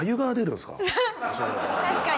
確かに。